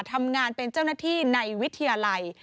ทำงานเป็นเจ้าหน้าที่ในวิทยาลัย